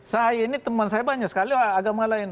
saya ini teman saya banyak sekali agama lain